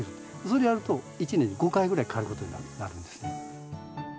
それでやると１年で５回ぐらい刈ることになるんですね。